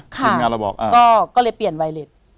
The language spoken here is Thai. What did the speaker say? ค่ะก็เลยเปลี่ยนไวเล็ต